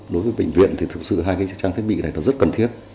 đối với bệnh viện thì thực sự hai trang thiết bị này rất cần thiết